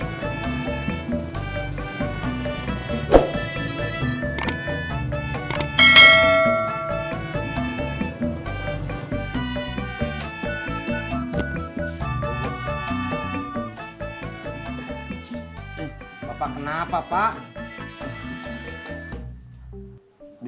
eh bapak kenapa pak